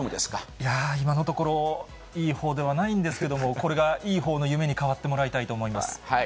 いやー、今のところ、いいほうではないんですけども、これがいいほうの夢に変わってもらいたいと思います。